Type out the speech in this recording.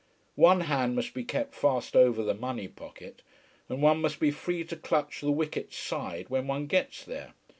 One hand must be kept fast over the money pocket, and one must be free to clutch the wicket side when one gets there.